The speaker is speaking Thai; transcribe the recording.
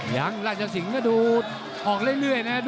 ราชสิงศ์ก็ดูออกเรื่อยนะ